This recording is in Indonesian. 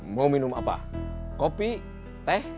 mau minum apa kopi teh